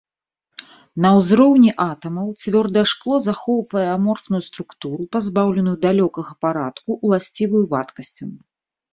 На ўзроўні атамаў цвёрдае шкло захоўвае аморфную структуру, пазбаўленую далёкага парадку, уласцівую вадкасцям.